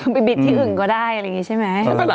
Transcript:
ไปบิดที่อื่นก็ได้อะไรอย่างนี้ใช่ไหม